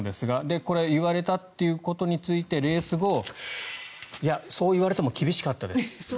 これ言われたということについてレース後いや、そう言われても厳しかったです